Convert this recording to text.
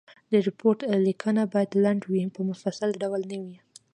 د ریپورټ لیکنه باید لنډ وي په مفصل ډول نه وي.